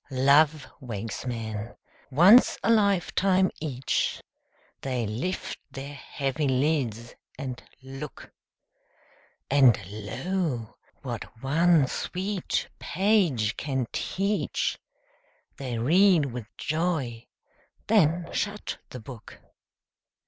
Love wakes men, once a lifetime each; They lift their heavy lids, and look; And, lo, what one sweet page can teach, They read with joy, then shut the book.